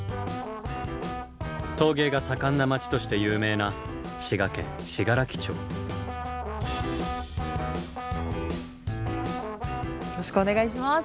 陶芸が盛んな町として有名なよろしくお願いします。